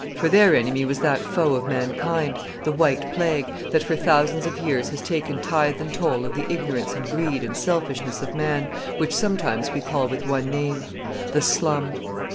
For their enemy was that foe of mankind, the White Plague, that for thousands of years has taken tithe and toll of the ignorance and greed and selfishness of man, which sometimes we call with one name the slum.